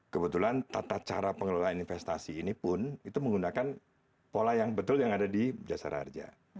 kebetulan tata cara pengelolaan investasi ini pun itu menggunakan pola yang betul yang ada di jasara harja